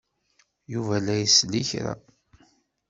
Yuba la isell i kra.